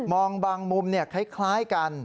บางมุมคล้ายกัน